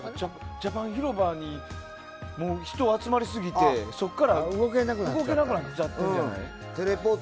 ジャパン広場に人集まりすぎてそこから動けなくなっちゃってるんじゃない？